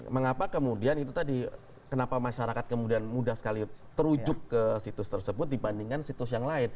mengapa kemudian itu tadi kenapa masyarakat kemudian mudah sekali terujuk ke situs tersebut dibandingkan situs yang lain